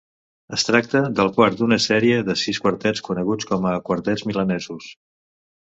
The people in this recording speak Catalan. Es tracta del quart d'una sèrie de sis quartets, coneguts com a Quartets milanesos.